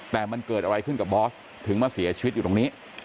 แต่มันเกิดอะไรขึ้นกับบอสถึงมาเสียชีวิตอยู่ตรงนี้